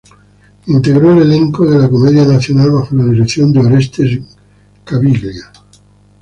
Integró el elenco de la Comedia Nacional bajo la dirección de Orestes Caviglia.